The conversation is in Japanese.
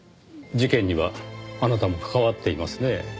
事件にはあなたも関わっていますね？